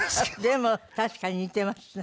でも確かに似ていますね。